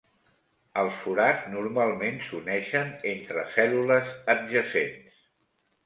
Els forats normalment s'uneixen entre cèl·lules adjacents.